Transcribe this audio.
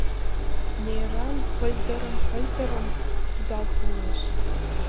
Мераҥ пыльдырым-пыльдырым кудал толеш.